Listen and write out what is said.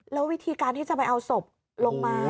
แล้ววิธีการที่จะไปเอาศพลงมา